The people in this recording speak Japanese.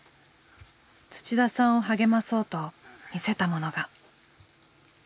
土田さんを励まそうと見せたものが。